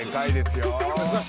よし！